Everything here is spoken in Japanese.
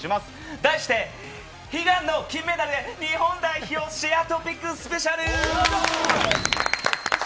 題して、悲願の金メダルへ日本代表シェアＴＯＰＩＣスペシャル！